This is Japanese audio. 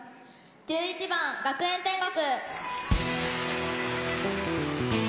１１番「学園天国」。